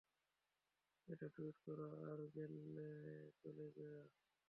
এটা টুইট কর আর জেলে চলে যা।